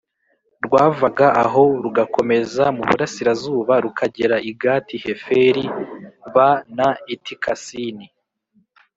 Rwavaga aho rugakomeza mu burasirazuba rukagera i Gati Heferi b na Eti Kasini